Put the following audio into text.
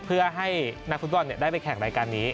เพื่อให้นักฟุตบอลได้ไปแข่งรายการนี้